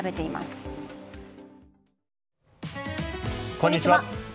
こんにちは。